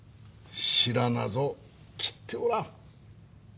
白なぞ切っておらん。